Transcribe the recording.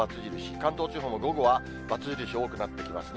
関東地方も午後は×印多くなってきますね。